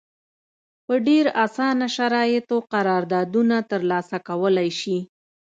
په ډېر اسانه شرایطو قراردادونه ترلاسه کولای شي.